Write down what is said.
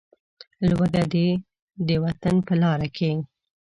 لوږه دې د وطن په لاره کې.